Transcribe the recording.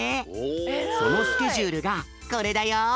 そのスケジュールがこれだよ。